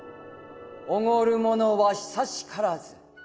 驕る者は久しからず。